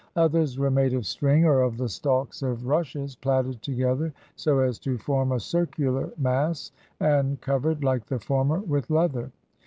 Others were made of string, or of the stalks of rushes plaited together so as to form a circular mass, and covered, like the former, with leather.